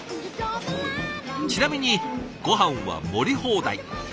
ちなみにごはんは盛り放題。